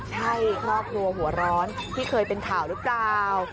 ใช่ครอบครัวหัวร้อนที่เคยเป็นข่าวหรือเปล่า